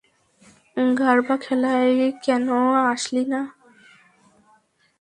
গার্বা খেলায় কেনো আসলি না?